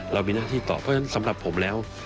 เรามีหน้าที่ต่อเพราะฉะนั้นสำหรับผมแล้ว